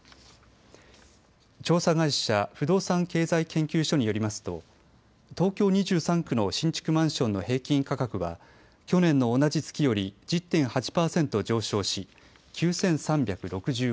調査会社、不動産経済研究所によりますと東京２３区の新築マンションの平均価格は去年の同じ月より１０．８％上昇し９３６５万円。